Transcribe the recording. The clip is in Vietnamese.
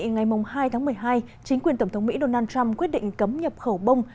ngày hai tháng một mươi hai chính quyền tổng thống mỹ donald trump quyết định cấm nhập khẩu bông